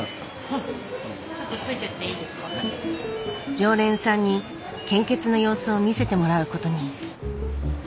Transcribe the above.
常連さんに献血の様子を見せてもらうことに。